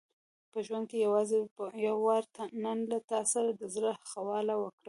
په ژوند کې یوازې یو وار نن له تا سره د زړه خواله وکړم.